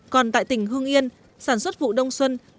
còn tại tỉnh hương yên sản xuất vụ đông xuân